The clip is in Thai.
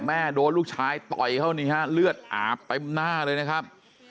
แม่โดนลูกชายต่อยเข้าเลือดอาบไปหน้าเลยนะครับ